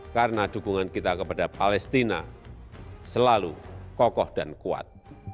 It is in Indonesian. karena dukungan kita kepada palestina selalu kokoh dan kuat